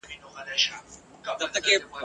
یو ناڅاپه وو کوهي ته ور لوېدلې !.